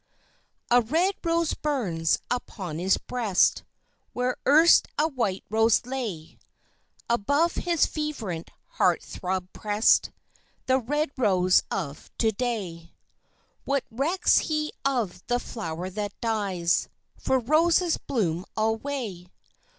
A red rose burns upon his breast Where erst a white rose lay; Above his fervent heart throb pressed The red rose of To day. What recks he of the flower that dies (For roses bloom alway!)